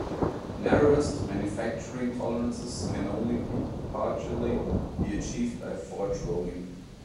Narrowest manufacturing tolerances can only partially be achieved by forge rolling.